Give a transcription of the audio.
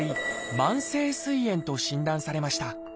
「慢性すい炎」と診断されました。